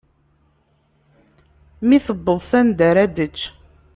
Mi tewweḍ s anda ra d-tečč.